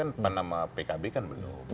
kan nama pkb kan belum